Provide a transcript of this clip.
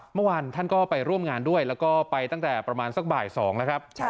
เมื่อวานท่านก็ไปร่วมงานด้วยแล้วก็ไปตั้งแต่ประมาณสักบ่าย๒แล้วครับ